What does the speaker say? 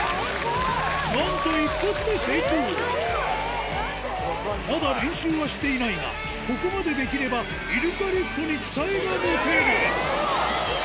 なんとまだ練習はしていないがここまでできればイルカリフトに期待が持てる